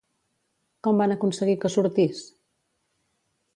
Com van aconseguir que sortís?